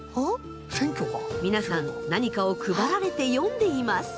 皆さん何かを配られて読んでいます。